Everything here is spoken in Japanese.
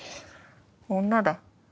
女だ。